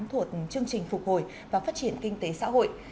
thuộc chương trình phục hồi và phát triển kinh tế xã hội